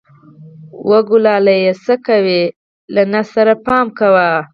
و کلاله څه کوې، له خټې سره پام کوه!